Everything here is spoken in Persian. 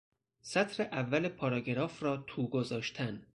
سطر اول پاراگراف را تو گذاشتن